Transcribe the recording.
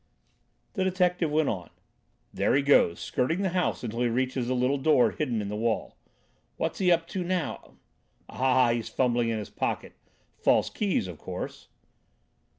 The detective went on: "There he goes, skirting the house until he reaches the little door hidden in the wall. What's he up to now? Ah! He's fumbling in his pocket. False keys, of course."